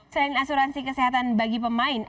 selain asuransi kesehatan bagi pemain